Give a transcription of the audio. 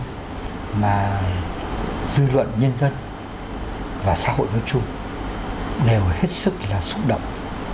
nhưng mà dư luận nhân dân và xã hội nói chung đều hết sức là xúc động